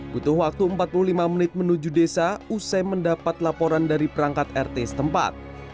butuh waktu empat puluh lima menit menuju desa usai mendapat laporan dari perangkat rt setempat